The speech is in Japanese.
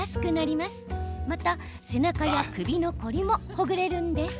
また、背中や首の凝りもほぐれるんです。